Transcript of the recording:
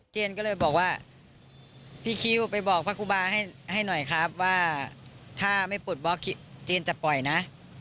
เจนก็เลยบอกว่าพี่คิวไปบอกพระครูบาให้หน่อยครับว่าถ้าไม่ปลดบล็อกเจนจะปล่อยนะ